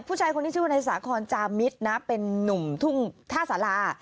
ผู้ชายคนนี้ชื่อว่านายสาคอนจามิตรนะเป็นนุ่มทุ่งท่าสารา